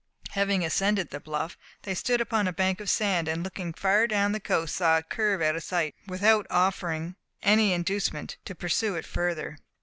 Having ascended the bluff, they stood upon a bank of sand, and looking far down the coast saw it curve out of sight, without offering any inducement to pursue it further.